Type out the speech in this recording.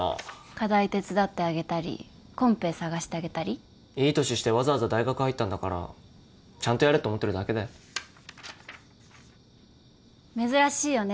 課題手伝ってあげたりコンペ探してあげたりいい年してわざわざ大学入ったんだからちゃんとやれって思ってるだけだよ珍しいよね